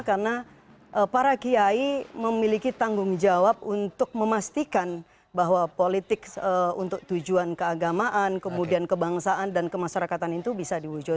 karena para kiai memiliki tanggung jawab untuk memastikan bahwa politik untuk tujuan keagamaan kemudian kebangsaan dan kemasyarakatan itu bisa diwujudkan